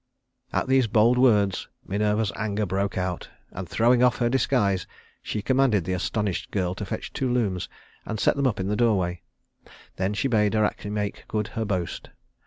At these bold words Minerva's anger broke out, and throwing off her disguise she commanded the astonished girl to fetch two looms and set them up in the doorway. Then she bade Arachne make good her boast.